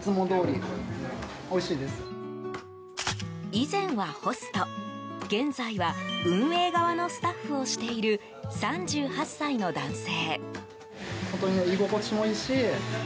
以前はホスト、現在は運営側のスタッフをしている３８歳の男性。